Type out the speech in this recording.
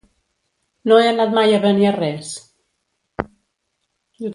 No he anat mai a Beniarrés.